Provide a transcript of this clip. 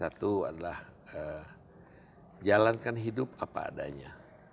satu adalah jalankan hidup apa adanya